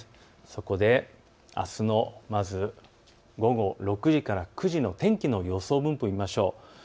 あすの午後６時から９時の天気の予想分布を見ましょう。